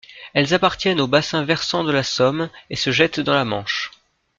Elles appartiennent au bassin versant de la Somme et se jettent dans la Manche.